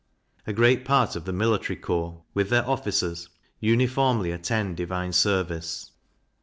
A great part of the military corps, with their officers, uniformly attend divine service.